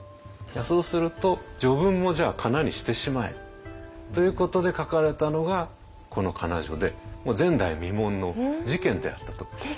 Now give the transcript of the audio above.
そうすると序文もじゃあかなにしてしまえ。ということで書かれたのがこの仮名序でもう前代未聞の事件であったといえると思います。